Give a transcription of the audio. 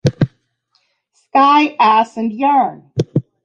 Sky, Ass and yarn!